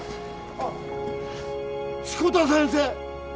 あっ志子田先生！？